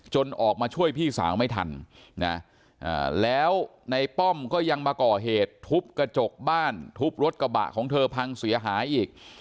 ออกมาช่วยพี่สาวไม่ทันนะแล้วในป้อมก็ยังมาก่อเหตุทุบกระจกบ้านทุบรถกระบะของเธอพังเสียหายอีก